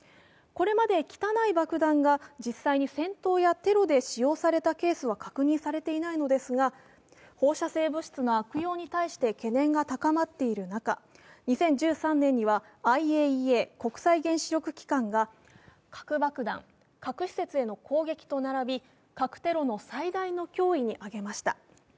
これまで汚い爆弾が実際に戦闘やテロで使用されたケースは確認されていませんが放射性物質の悪用に対して懸念が高まっている中、２０１３年にはＩＡＥＡ＝国際原子力機関が核爆弾、核施設への攻撃と並び核テロの最大の脅威に挙げました。